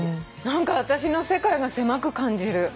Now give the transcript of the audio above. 何か私の世界が狭く感じる。